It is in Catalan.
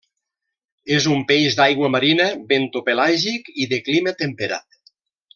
És un peix d'aigua marina, bentopelàgic i de clima temperat.